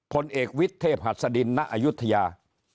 คนเอกวิทย์เทพหัสดินนะอยุธยา